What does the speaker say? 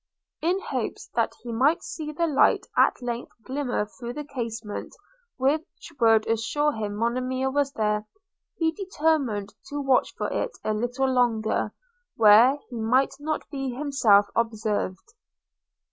In hopes that he might see the light at length glimmer through the casement, which would assure him Monimia was there, he determined to watch for it a little longer, where he might not be himself observed.